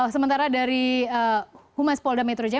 sementara dari humas polda metro jaya